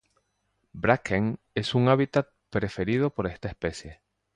Bracken es un hábitat preferido por esta especie.